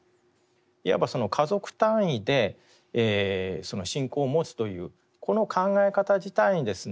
いわばその家族単位で信仰を持つというこの考え方自体にですね